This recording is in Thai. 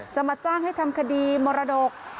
จะมาจ้างให้ทำคดีมรดก